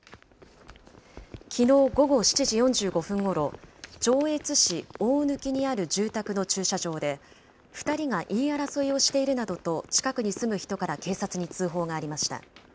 きのう午後７時４５分ごろ、上越市大貫にある住宅の駐車場で、２人が言い争いをしているなどと近くに住む人から警察に通報がありました。